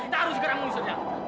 taruh sekarang musuhnya